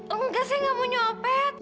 oh enggak sih gak mau nyopet